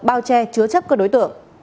bao che chứa chấp các đối tượng